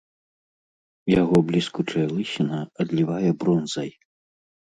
Яго бліскучая лысіна адлівае бронзай.